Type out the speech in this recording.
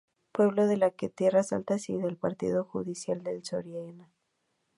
Pueblo de la de Tierras Altas y del partido judicial de Soria.